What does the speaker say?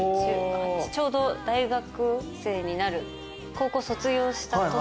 ちょうど大学生になる高校卒業した年でしたね。